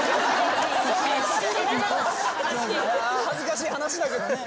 恥ずかしい話だけど。